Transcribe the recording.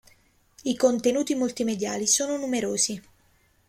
I contenuti multimediali sono numerosi.